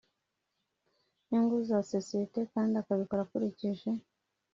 Nyungu z isosiyete kandi akabikora akurikije